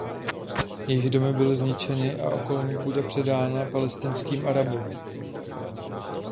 Jejich domy byly zničeny a okolní půda předána palestinským Arabům.